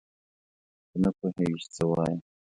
ته نه پوهېږې چې څه وایې.